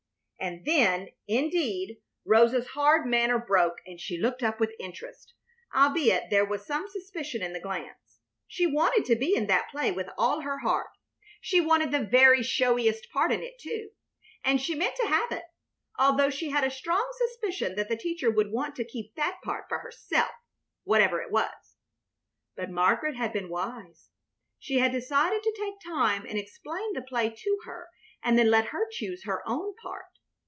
And then, indeed, Rosa's hard manner broke, and she looked up with interest, albeit there was some suspicion in the glance. She wanted to be in that play with all her heart; she wanted the very showiest part in it, too; and she meant to have it, although she had a strong suspicion that the teacher would want to keep that part for herself, whatever it was. But Margaret had been wise. She had decided to take time and explain the play to her, and then let her choose her own part.